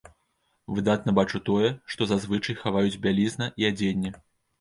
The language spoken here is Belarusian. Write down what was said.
Выдатна бачу тое, што зазвычай хаваюць бялізна і адзенне.